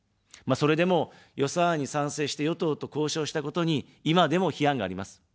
それでも、予算案に賛成して、与党と交渉したことに、今でも批判があります。